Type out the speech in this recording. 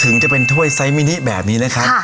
ถึงจะเป็นถ้วยไซมินิแบบนี้นะครับ